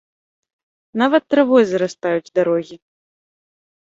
Нават травой зарастаюць дарогі.